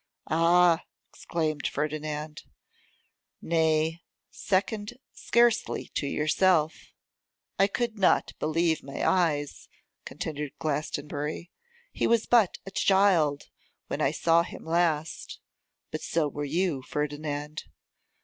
'Ah!' exclaimed Ferdinand. 'Nay, second scarcely to yourself! I could not believe my eyes,' continued Glastonbury. 'He was but a child when I saw him last; but so were you, Ferdinand.